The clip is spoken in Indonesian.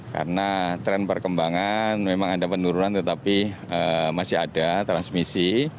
karena tren perkembangan memang ada penurunan tetapi masih ada transmisi